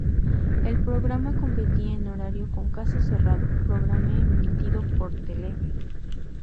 El programa competía en horario con Caso Cerrado, programa emitido por Telefe.